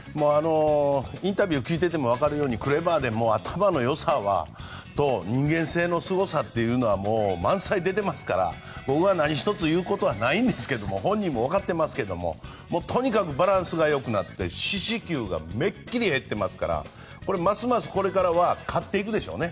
インタビューを聞いていてもわかるようにクレバーで頭のよさと人間性のすごさというのは満載で出ていますから何一つ言うことはないんですが本人もわかっていますがとにかくバランスがよくなって四死球がめっきり減ってますからますますこれからは勝っていくでしょうね。